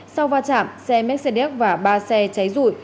sau va chạm xe mercedes và ba xe cháy rụi